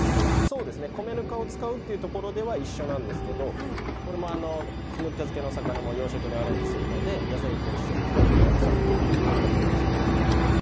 米ぬかを使うというところでは一緒なんですけどぬか漬けする魚も洋食にアレンジするので野菜と一緒に比較的浅漬けにしています。